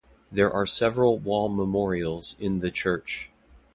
There are several wall memorials in the church.